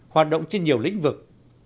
hoạt động trên nhiều lĩnh vực